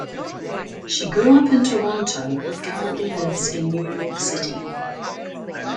She grew up in Toronto but currently lives in New York City.